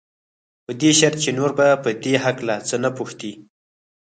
په دې شرط چې نور به په دې هکله څه نه پوښتې.